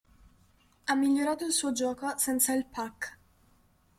Ha migliorato il suo gioco senza il puck.